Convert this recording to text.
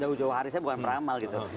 jauh jauh hari saya bukan meramal gitu